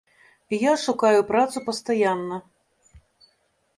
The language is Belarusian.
Я шукаю працу пастаянна.